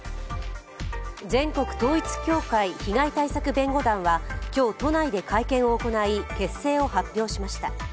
全国統一教会被害対策弁護団は今日都内で会見を行い結成を発表しました。